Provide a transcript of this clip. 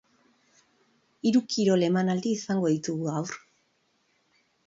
Hiru kirol emanaldi izango ditugu gaur.